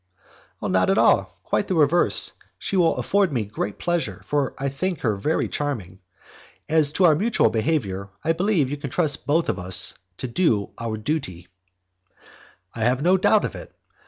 "Not at all, quite the reverse, she will afford me great pleasure, for I think her very charming. As to our mutual behaviour, I believe you can trust us both to do our duty." "I have no doubt of it.